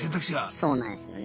そうなんですよね。